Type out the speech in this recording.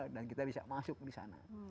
dan kita bisa masuk di sana